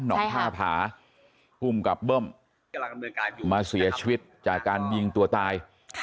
หนองท่าผาภูมิกับเบิ้มมาเสียชีวิตจากการยิงตัวตาย